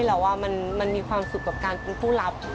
แต่ว่ามันมีความสุขกับการเป็นผู้รับ